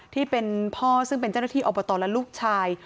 ที่เป็นพ่อซึ่งเป็นเจ้าหน้าที่อบตและลูกชาย